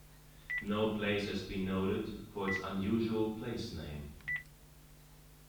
No Place has been noted for its unusual place name.